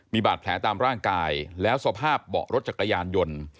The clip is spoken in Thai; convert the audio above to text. มีบาดแผลตามร่างกายแล้วบอกกระยานยนต์